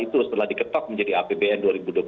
itu setelah diketok menjadi apbn dua ribu dua puluh tiga